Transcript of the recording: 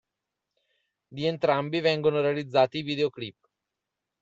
Di entrambi vengono realizzati i videoclip.